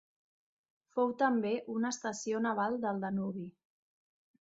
Fou també una estació naval del Danubi.